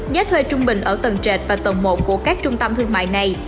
giá thuê trung bình ở tầng trệt và tầng một của các trung tâm thương mại này